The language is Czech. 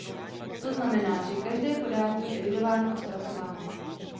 To znamená, že každé podání je evidováno a zpracováno.